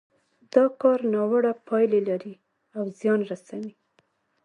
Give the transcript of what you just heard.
دا کار ناوړه پايلې لري او زيان رسوي.